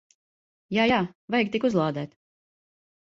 Jā. Jā. Vajag tik uzlādēt.